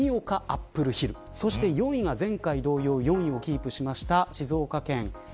アップルヒルそして４位が前回同様４位をキープした